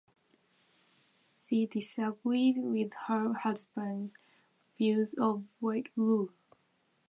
She disagreed with her husbands views of white rule.